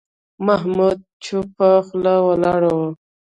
محمود چوپه خوله ولاړ و.